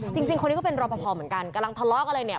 จริงคนนี้ก็เป็นรอปภเหมือนกันกำลังทะเลาะกันเลยเนี่ย